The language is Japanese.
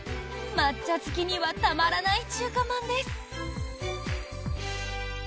抹茶好きにはたまらない中華まんです。